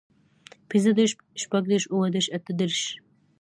پينځهدېرش، شپږدېرش، اووهدېرش، اتهدېرش